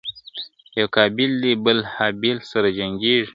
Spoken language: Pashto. یو قابیل دی بل هابیل سره جنګیږي !.